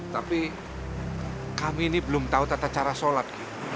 tapi kami ini belum tahu tata cara sholat